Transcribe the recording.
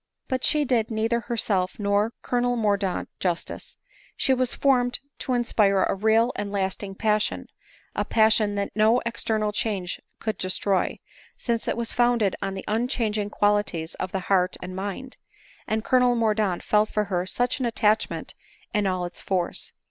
But she did neither herself nor Colonel Mordaunt jus tice. She was formed to inspire a real and lasting passion — a passion that no external change could destroy — since it was founded on the unchanging qualities of the heart and mind ; and Colonel Mordaunt felt for her such an attachment in all its force.